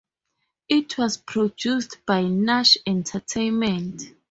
It was produced by Nash Entertainment.